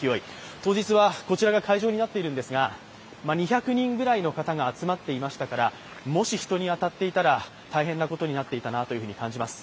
当日はこちらが会場になっているんですが２００人ぐらいの方が集まっていましたから、もし、人に当たっていたら大変なことになっていたなと感じます。